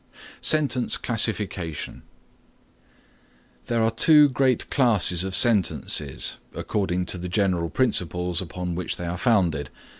SENTENCE CLASSIFICATION There are two great classes of sentences according to the general principles upon which they are founded.